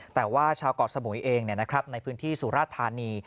แต่ว่าชาวกเกาะสมุยเองนะครับในพื้นที่สุรทานี